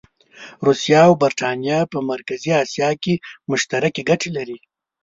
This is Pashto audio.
روسیه او برټانیه په مرکزي اسیا کې مشترکې ګټې لري.